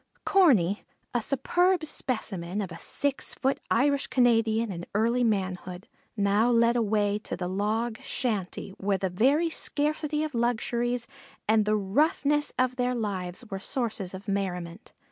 Corney, a superb specimen of a six foot Irish Canadian in early manhood, now led away to the log shanty where the very scarcity of luxuries and the roughness of their lives were sources of merriment.